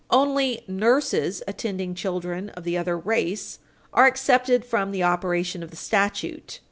Only "nurses attending children of the other race " are excepted from the operation of the statute.